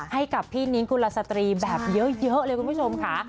ให้กับพี่นิ้งกุลสตรีแบบเยอะเลยคุณผู้ชมค่ะ